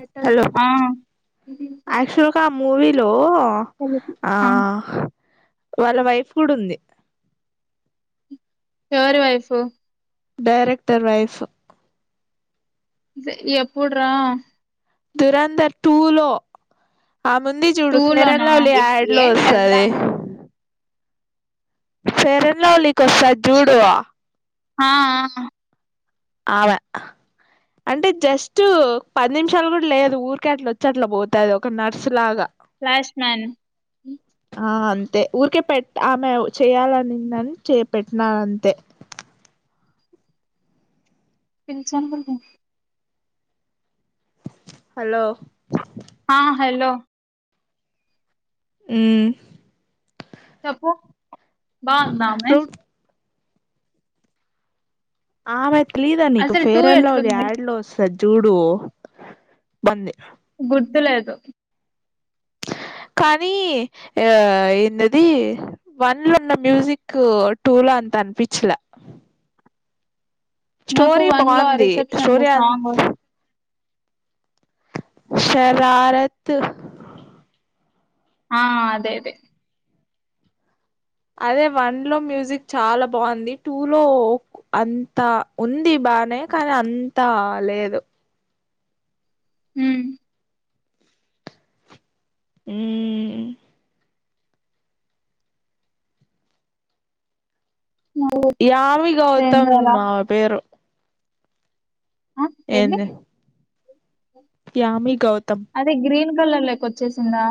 పెట్టద్దు హలొ ఆ యాక్చువల్గా ఆ మూవీలొ ఆ వాళ్ళ వైఫ్ కూడ ఉంది ఎవరి వైఫు డైరెక్టర్ వైఫ్ ఎప్పుడురా దురందర్ టూ లొ ఆ ముంది చూడు టూ ఫేర్ లోనా అండ్ లవ్లీ యాడ్ లొ ఏంటిదంతా వస్తది ఫెర్ అండ్ లవ్లీ కస్తది చూడు ఆ ఆ ఆమె అంటె జస్ట్ పది నిమిషాలు కూడ లేదు ఊరికె అట్ల వచ్చి అట్లా పోతది ఒక నర్సు లాగా ఫలాష్ మ్యాన్ అే ఊరికే పెట్ ఆమె చేయాలనిందని చే పెట్టిననంతే పిన్సన్ బ హలో హా హలో హ్మ్మ్ చెప్పు బాందమే ను ఆడపిల్లని తెలీదా నీకు అసలు టూ ఫేర్ అండ్ లవ్లీ ఎట్లుంది యాడ్ లో వ స జూడు బంద గుర్తులేదు కానీ ఆ ఏన్నది వన్ లో ఉన్న మ్యూజిక్ టూ లో అంత అనిపించలా నాకు స్టోరీ వన్ లో ఆ బాగుంది రిసెప్షన్ లో స్టోరీ అ సాంగ్ శరారత్ ఆ అదే అదే అదే వన్ లో మ్యూజిక్ చాలా బాగుంది టూ లో అంత ఉంది బానే కానీ అంతా లేదు ఉహు ఉ నువ్వు యామి ఏందలా గౌతమ్ఆమె పేరు ఏంది యామి గౌతమ్ కళ్ళల్లోకి వచ్చేసిందా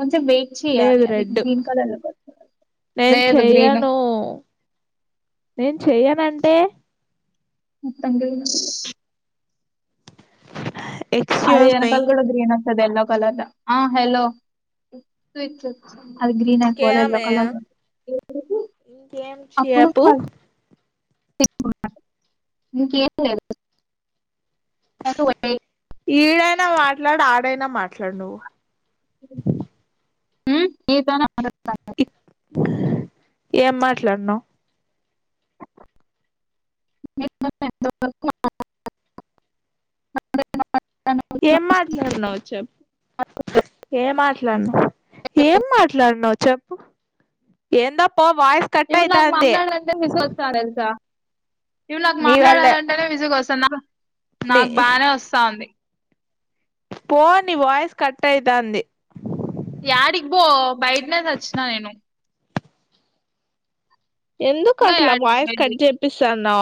కొంచెం వెయిట్ చేయాలి లేదు అది రెడ్ గ్రీన్ కలర్ లోకి వచ్చే నేను లేదు గ్రీన్ చెయ్యను నేను చెయనుంటే మొత్తానికే తిన్న అ అదే వెనకాల కూడా గ్రీన్ వ ఉంటది ఎల్లో కలర్ ఆ హలో [inaudible] అది గ్రీన్ ఇంకే అయిపోల ఎల్లో ఆమె కలర్ ఉంది ఇప్పుడు ఉంది ఇంకేం అప్పుడు చెప్పు చె [inaudible] ఇంకేం లేదు ఎటు పోయినాయి ఈడైనా మాట్లాడు ఆడైనా మాట్లాడు నువ్వు హు నీతోనే మాట్లాడుతున్న ఏం మాట్లాడినవ్ [inaudible] [inaudible] ఏం మాట్లాడినావు చెప్పు ఏ మాట్లాడినవ్ ఏం మాట్లాడినావ్ చెప్పు ఏంద ఇప్పుడు నాకు మాట్లాడంటే విసుకు వస్తాంది తెలుసా ఇవి నాకు నీ వల్లే మాట్లాడాలంటేనే విసుగు వస్తాందిఅ నా నీ నాకు బానే వస్తాంది పో ని వాయిస్ కట్ అయితాంది యాడికి పో బయటనే సచ్చిన నేను ఎందుకు ఇంగా అట్లా యాడికి వాయస్ కట్ పోయేది చేపిస్తా నో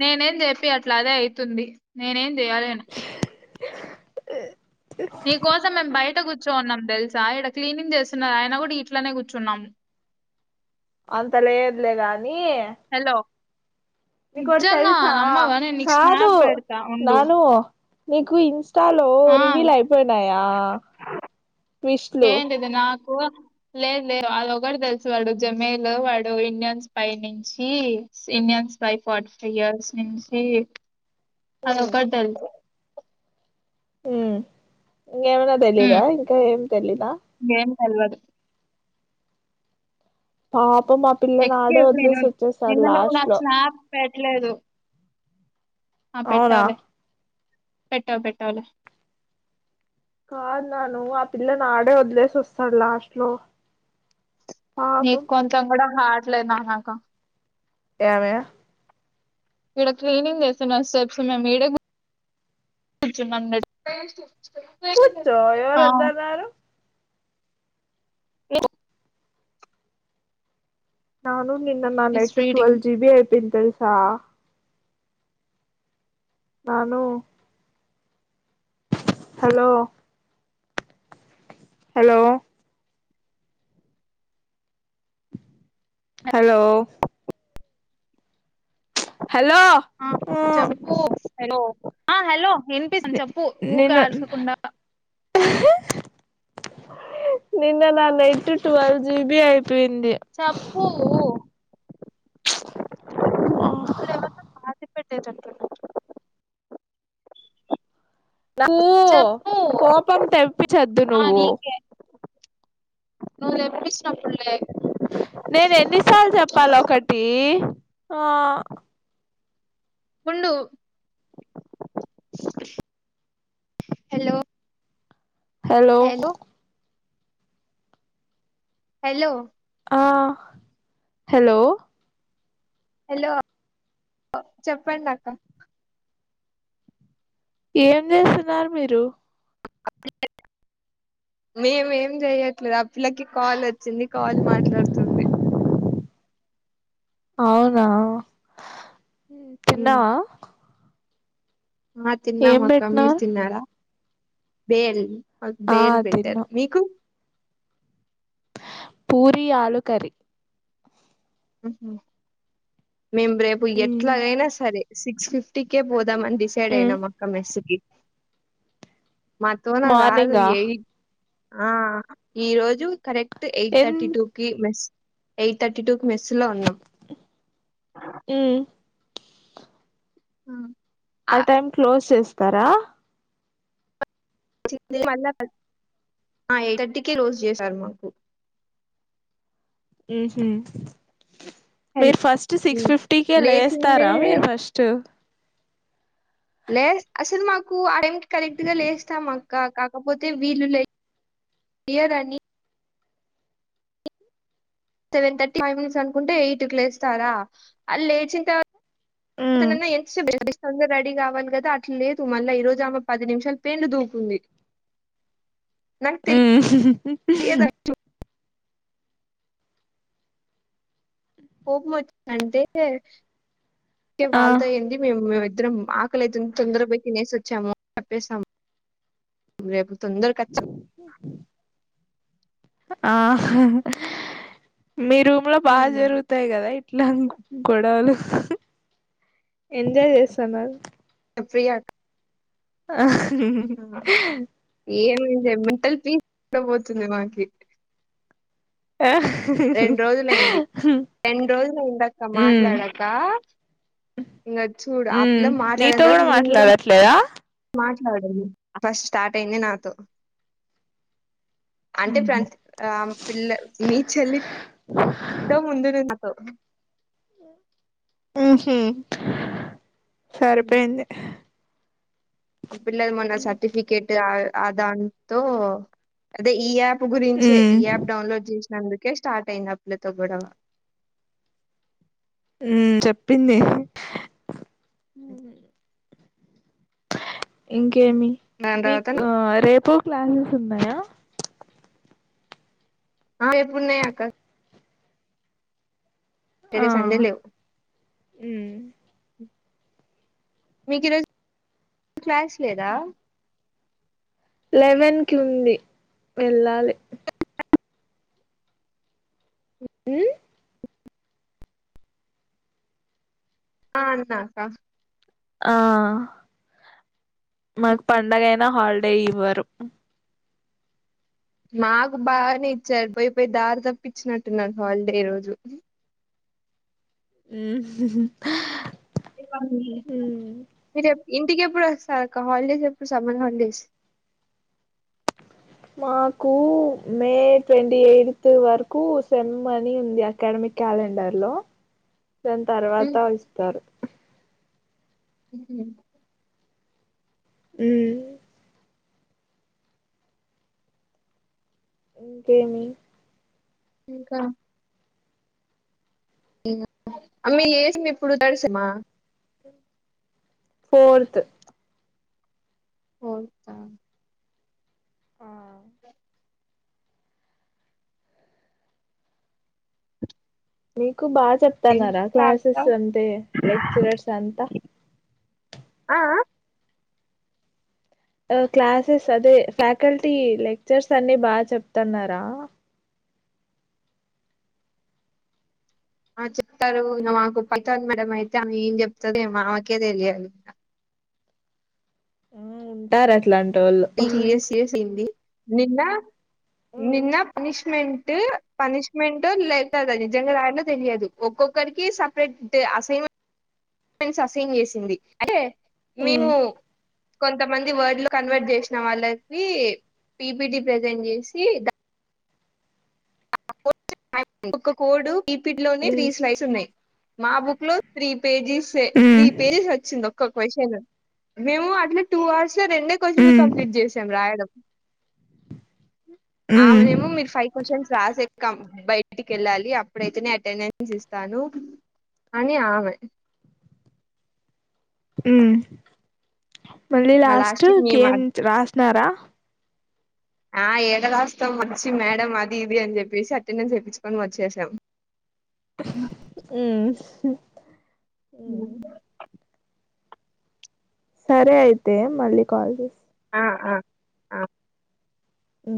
నేనేం జేపీయట్లే అదే అయితుంది నేనేం ఏ అదేనే నీ కోసం మేము బయట గు కూర్చోన్నాం తెలుసా ఈడ క్లీనింగ్ చేస్తున్నారు ఆయన కూడా ఇట్లనే కూర్చున్నాం అంత లేదులే గానీ హలో నీకుటి నిజంగా తెలుసా నమ్మవా నేను నీకు కాదు స్నాప్ పెడతా ఉండు నానూ మీకు ఇన్స ఇష్టలో ఆ రివీల్ అయిపోయినాయా ట్విస్లు ఏంటిది నాకు లేదు లే వాళ్ళొ ఒకరు తెలుసు వాడు జమేల్ వాడు ఇండియన్స్పైై నుంచి ఇండియన్ స్పైై ఫార్టీ ఫైవ్ ఇయర్స్ నుంచి అదొకటది ఊ ఇంకేమనా తెలీదా ఇంకా ఏం తెలీదా తేల్వాదు ఆ అప్ప మా పిల్లని ఆడే ఎక్స్క్యూజ్ మీ వదిలేసి వచ్చేస్తాడు లాస్ట్ లో లేదు ఆ అవునా పెట్టాలే పెట్టా పెట్టాలే కాదు నాను ఆ పిల్ల నా ఆడే వద్లేసి వస్తాాడు లాస్ట్ లో పాపం నీకు కొంచెం కూడా హార్ట్ లేదు నాన్న అక్క యావె ఇక్కడ క్లీనింగ్ చేస్తున్నారు స్టెప్స్ మేము ఈడే కూర్చున్నాం కూచో ఆ ఎవరుద్దన్నారుారు [inaudible] నవును నిన్న నా షీస్ నెట్ రీడింగ్ ట్వల్ జిబి అయిపోయింది తెలుసా నాను హలో హలో హలో హలో ఆ చెప్పు హలో ఆ హలో వినిపిస్తాను చెప్పు ఊక నిన్న ఆరచకుండా నిన్న న నెట్ ట్వల్వ్ జిబి అయి చెప్పు ఆ ప్పట్టేదంటున్నారు కూ చెప్పు కోపం తెప్పి చద్దు ఆ నువ్వు నీకే నువ్వు ఎప్పుడిచ్చినప్పుడులే నేనెన్ని సార్లు చెప్ ప్పల ఒకటి ఆ ఉండు హలో హలో హలో ఆ హలో హలో చెప్పండి అక్క ఏం చేస్తున్నారు మీరు మేమేం చేయట్లేదు ఆ పిల్లకి కాల్ వచ్చింది కాల్ మాట్లాడుతుంది అవునా తిన్నావా ఆ ఏం తిన్నామక్కా మీరు పెట్టినారు తిన్నారా బేల్ ఆ బేల్ పెట్టారు తిన్నా మీకు పూరీ ఆలూ కర్రీ ఉహు మేం రేపు ఎట్లాగైనా సరే సిక్స్ ఫిఫ్ టికే పోదామని డిసైడ్ అయినామక్కా మెస్కి [unintelligible] అనగాదు మార్నింగా ఏయి ఆ ఈ రోజు కరెక్ట్ ఎయిట్ ఎన్ థర్టీ టూ కి మెస్ ఎయిట్ థర్టీ టూ మెస్సులో ఉన్నాం ఆ ఆ టైమ్ క్లోజ్ చేస్ తరా మళ్ళ ఎయిట్ థర్టీకి రోజ్ చేసారు మాకు ఊహూ మీరు ఫస్ట్ సిక్స్ ఫిఫ్టీకే లేచిందే లేస్తారా మీరు ఫస్టు లే అసలు మాకు ఆ టైంకి కరెక్ట్గా లేస్తాం అక్కా కాకపోతే వీళ్లు లే లేయర్ అని సెవెన్ థర్టీ ఫైవ్ మినిట్స్ అనుకుంటే ఎయిట్ కి లేస్తారా అళ్ లేచిం తర్వాత [unintelligible] ఉంది రెడీ కావాలి కదా అట్లా లేదు మళ్ళా ఈ రోజు ఆమ్మ పది నిమిషాలు పేండు దూకుంది నాకు ఆ తెలియదు మ ద ఓకే ఆ వాళ్ళతో ఏంది మేము ఇద్దరం ఆకలితేంది తొందరపైకి నేసిచ్చాము చెప్పేస్తాము రేపు తొందర కచ్చ ఆ మీ రూమ్ లో బాగా వచ్చాము జరుగుతాయి కదా ఇట్లా గొడవలు ఎంజాయ్ చేస్తున్నారు ప్రయా ఆ హ ఏమైంది మెంటల్ పీస్ ఉ పోతుంది మాకి ఆ రెండు రోజులుయింది రెండు రోజులు అయిందక్క ఉమ్ మాట్లాడాక ఇంకా చూడు ఆ ఉమ్ పిల్ల మాట్లాడ నీతో తరత మేము కూడా మాట్లాడట్లేదా మాట్లాడండి ఫస్ట్ స్టార్ట్ అయింది నాతో అంటే ప్ర ఆ పిల్ల మీ చెల్లితో ముందు నాతో అహ సరిపోయింది అప్పుడులది మొన్న సర్ఫికెట్ అదాంటూ అదే ఈప్ గురించే ఉమ్ ఈ యాప్ డౌన్లోడ్ చేసి అందుకే స్టార్ట్ అయిందిప్పులతో గడవ ఉ చెప్పింది ఉ ఇంకా కేమి దాని మీ తర్వాత రేపు క్లాసెస్ ఉన్నాయా అ ఎప్పుడున్నా అక అక ఆ సంధ లేవు ఉమ్ మీకు ఈరోజు క్లాస్ లేదా లెవెన్ కి ఉంది వెళ్ళాలి హ ఆ అన్నాకా ఆ మాకు పండగయినా హాలిడే ఇవ్వరు మాకు బాగానే ఇచ్చారు పోయి పోయి దారి తప్పిచ్చినట్టున్నారు హాలిడే రోజు ఉ మీవాళ్ళు ఈ చెప్ ఇంటికి ఎప్పుడు వస్తారు హాలిడేస్ ఎప్పుడు సమ్మర్ హాలిడేస్ మాకు మే ట్వంటీ ఎయిత్ వరకు సెమ్ అనీ ఉంది అకాడమిక్ క్యాలెండర్ లో దాని తర్వాత ఇస్తారు ఉహు ఉ ఇంకేమి ఇంకా అ మీ చేసిం ఇప్పుడు తడిసామా ఫోర్త్ పోతా మీ కు బాగా చెప్తన్నారా ఇంకా క్లాసెస్ అక్క అంటే లెక్చరర్స్ అంతా ఆ ఆ ఆ క్లాసెస్ అదే ఫ్యాకల్టీ లెక్చర్స్ అన్ని బాగా చెప్తున్నారా ఆ చెప్తారు మాకు పతంది మేడ అయితే ఆమె ఏం చెప్తంది ఆమెకే తెలియాలి ఆ ఉంటారు అట్లా అన్ ఎస్ఎస్ హింది నిన్న నిన్న పనిష్ ష్మెంట్ పనిష్మెంట్ లే కదా నిజంగా దారిలో తెలియదు ఒక్కొక్కరికి సపరేట్ అసైన్మెంట్ అసైన్ చేసింది అయితే ఉమ్ మేము కొంతమంది వర్డ్లు కన్వర్ట్ చేసిన వాళ్ళకి పీపిటి ప్రజెంట్ చేసి ఒక్క కోడు పిపిటి లోనే త్రీ ఉమ్ స్లైడ్స్ ఉన్నాయి మా బుక్ లో త్రీ పేజీస్ త్రీ పేజెస్ వచ్చింది ఒక క్వశ్చన్ మేము అట్లా టూ అవర్స్ లో రెండే క్వశ్చన్లు ఉమ్ కంప్లీట్ చేసాం రాయడం ఉమ్ ఆమెనేమ మీరు ఫైవ్ క్వశ్చన్స్ రాసెక్కాం బయటికి వెళ్ళాలి అప్పుడైతేనే అటెండెన్స్ ఇస్తాను అని ఆమె ఉ మళ్ళీ ఇంగ లాస్ట్ కి మేము కేం రాసినారా ఆ ఏడ రాస్తాం వచ్చి మేడం అది ఇది అని చెప్పేసి అటెండెన్స్ తెప్పించుకొని వచ్చేసాం ఉ హ సరే అయితే మళ్ళీ కాల్ చేస్త ఆ ఆ ఆ ఓ